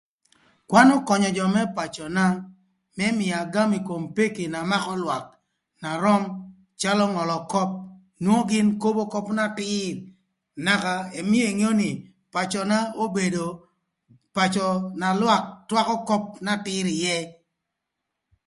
Kwan ökönyö jö më pacöna më mïö agam ï kom pëkï na makö lwak na röm calö ngölö köp nwongo gïn kobo köp n'atïr naka ëmïö engeo nï pacöna obedo pacö na lwak twakö köp n'atïr ïë.